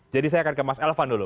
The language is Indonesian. jadi saya akan ke mas elvan dulu